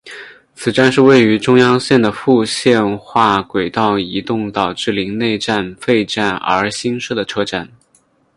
此站是位于中央线的复线化轨道移动导致陵内站废站而新设的车站。